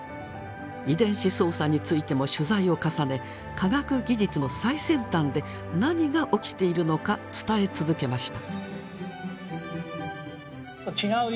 遺伝子操作についても取材を重ね科学技術の最先端で何が起きているのか伝え続けました。